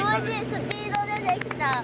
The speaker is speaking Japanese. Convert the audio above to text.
スピード出てきた。